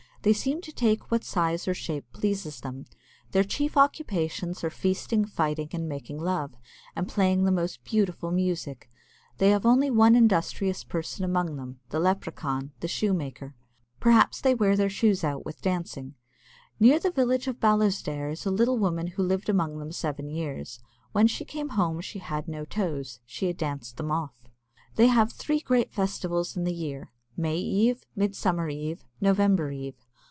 They seem to take what size or shape pleases them. Their chief occupations are feasting, fighting, and making love, and playing the most beautiful music. They have only one industrious person amongst them, the lepra caun the shoemaker. Perhaps they wear their shoes out with dancing. Near the village of Ballisodare is a little woman who lived amongst them seven years. When she came home she had no toes she had danced them off. They have three great festivals in the year May Eve, Midsummer Eve, November Eve.